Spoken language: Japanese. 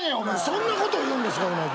そんなこと言うんですか！？